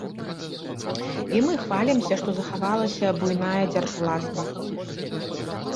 І мы хвалімся, што захавалася буйная дзяржуласнасць.